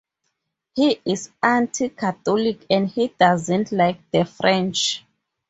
He is anti-Catholic, and he doesn't like the French.